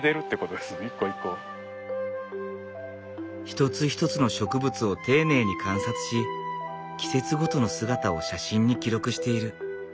一つ一つの植物を丁寧に観察し季節ごとの姿を写真に記録している。